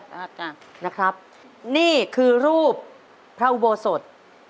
อาจารย์นะครับนี่คือรูปพระอุโบสถ